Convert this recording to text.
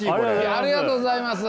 ありがとうございます。